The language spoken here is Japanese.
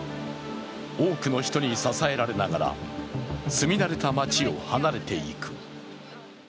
多くの人に支えられながら住み慣れた街を離れていく。